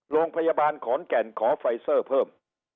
โรงพยาบาลขอนแก่นขอไฟเซอร์เพิ่ม